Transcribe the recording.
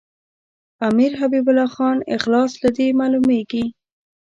امیر حبیب الله خان اخلاص له دې معلومیږي.